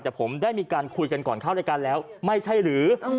แต่ผมได้มีการคุยกันก่อนเข้ารายการแล้วไม่ใช่หรือ